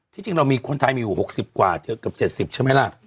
ที่จริงเรามีคนไทยมีอีก๖๐กว่ากับ๗๐ใช่มั้ยล่ะ